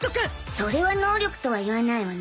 それは能力とは言わないわね